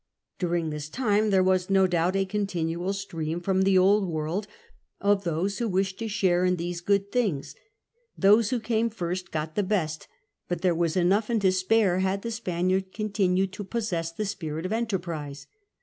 During this time there was, doubt less, a continual stream from the old world of those who wished to share in those good things. Those who came first got the best ; but there was enough and to spai e had the Si)aniard continued to possess the spiiit of enterprise.